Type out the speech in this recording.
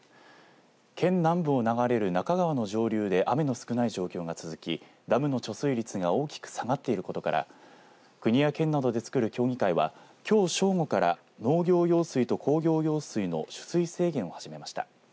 県南部を流れる那賀川の上流で雨の少ない状況が続きダムの貯水率が大きく下がっていることから国や県などでつくる協議会はきょう正午から農業用水と工業用水の取水制限を始めました。